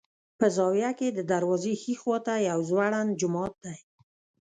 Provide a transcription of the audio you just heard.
په زاویه کې د دروازې ښي خوا ته یو ځوړند جومات دی.